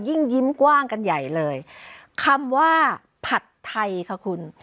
ยิ่งยิ้มกว้างกันใหญ่เลยคำว่าผัดไทยค่ะคุณ